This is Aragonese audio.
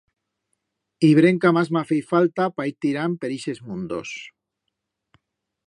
Y brenca mas m'ha feit falta pa ir tirand per ixes mundos.